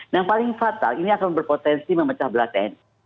yang paling fatal ini akan berpotensi memecah belah tni